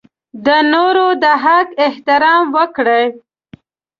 د نورو د حق احترام وکړئ.